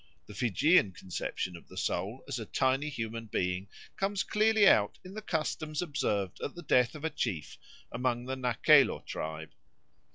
The Fijian conception of the soul as a tiny human being comes clearly out in the customs observed at the death of a chief among the Nakelo tribe.